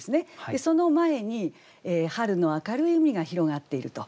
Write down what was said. その前に春の明るい海が広がっていると。